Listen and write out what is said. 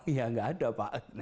ya nggak ada pak